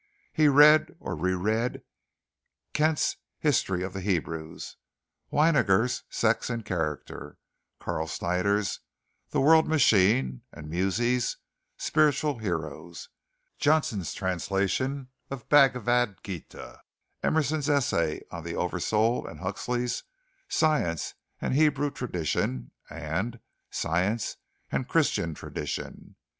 He read or re read Kent's "History of the Hebrews"; Weiniger's "Sex and Character"; Carl Snyder's "The World Machine"; Muzzey's "Spiritual Heroes"; Johnston's translation of "Bhagavad Ghita"; Emerson's essay on the Oversoul, and Huxley's "Science and Hebrew Tradition" and "Science and Christian Tradition."